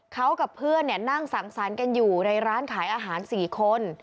เขากับเพื่อนนั่งสังสรรค์กันอยู่ในร้านขายอาหาร๔คน